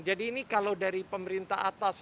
jadi ini kalau dari pemerintah atas